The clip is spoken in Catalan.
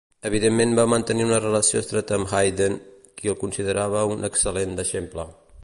Evidentment va mantenir una relació estreta amb Haydn, qui el considerava un excel·lent deixeble.